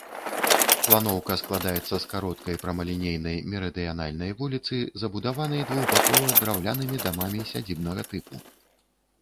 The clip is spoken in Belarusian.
Планоўка складаецца з кароткай прамалінейнай мерыдыянальнай вуліцы, забудаванай двухбакова драўлянымі дамамі сядзібнага тыпу.